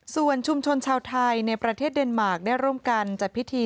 ส่วนชุมชนชาวไทยในประเทศเดนมาร์คได้ร่วมกันจัดพิธี